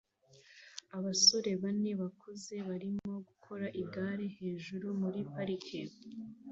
Abasore bane bakuze barimo gukora igare hejuru muri parike